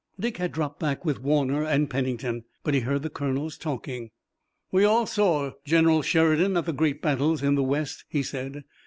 Dick had dropped back with Warner and Pennington, but he heard the colonels talking. "We all saw General Sheridan at the great battles in the West," he said.